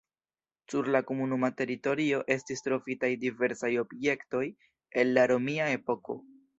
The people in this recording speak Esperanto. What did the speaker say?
Sur la komunuma teritorio estis trovitaj diversaj objektoj el la romia epoko.